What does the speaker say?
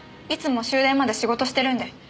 いつも終電まで仕事してるんで。